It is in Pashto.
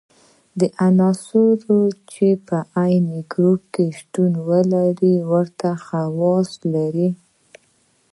عنصرونه چې په عین ګروپ کې شتون ولري ورته خواص لري.